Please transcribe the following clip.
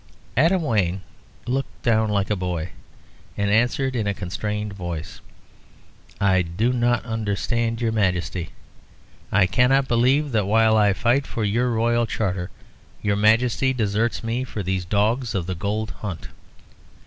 Adam Wayne looked down like a boy, and answered in a constrained voice "I do not understand your Majesty. I cannot believe that while I fight for your royal charter your Majesty deserts me for these dogs of the gold hunt."